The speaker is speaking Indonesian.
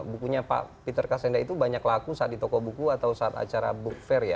bukunya pak peter kassenda itu banyak laku saat di toko buku atau saat acara book fair ya